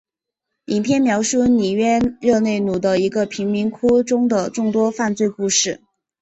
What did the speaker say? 影片描述里约热内卢的一个贫民窟中的众多犯罪故事。